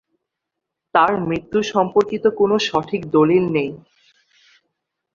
তার মৃত্যু সম্পর্কিত কোনো সঠিক দলিল নেই।